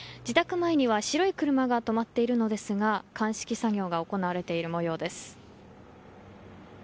自宅前には白い車が止まっているのですが鑑識作業が行われているもようです。